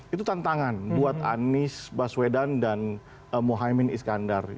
itu tantangan buat anies baswedan dan muhaymin iskandar